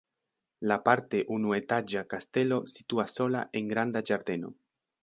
La parte unuetaĝa kastelo situas sola en granda ĝardeno.